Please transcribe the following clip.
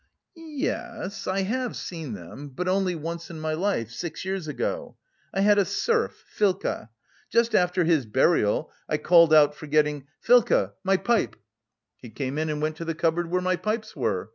"Y yes, I have seen them, but only once in my life, six years ago. I had a serf, Filka; just after his burial I called out forgetting 'Filka, my pipe!' He came in and went to the cupboard where my pipes were.